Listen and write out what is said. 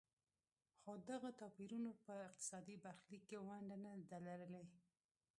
خو دغو توپیرونو په اقتصادي برخلیک کې ونډه نه ده لرلې.